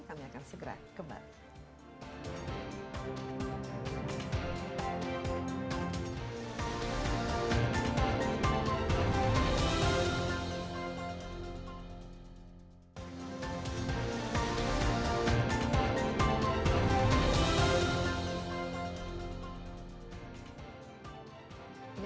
kami akan segera kembali